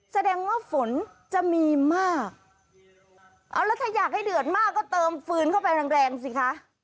แสดงว่าฝนจะมีมากเอาแล้วถ้าอยากให้เดือดมากก็เติมฟืนเข้าไปแรงแรงสิคะ